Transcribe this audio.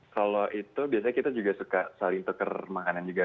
kalau itu biasanya kita juga suka saling tukar makanan juga